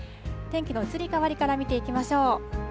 天気の移り変わりから見ていきましょう。